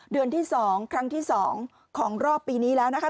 เดือนที่๒ครั้งที่๒ของรอบปีนี้แล้วนะคะ